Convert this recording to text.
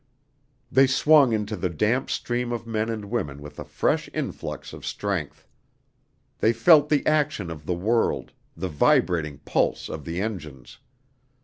They swung into the damp stream of men and women with a fresh influx of strength. They felt the action of the world the vibrating pulse of the engines.